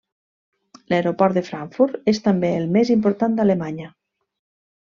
L'aeroport de Frankfurt és també el més important d'Alemanya.